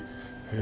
え